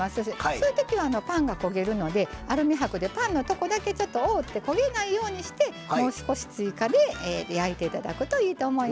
そういう時はパンが焦げるのでアルミ箔でパンのとこだけちょっと覆って焦げないようにしてもう少し追加で焼いて頂くといいと思います。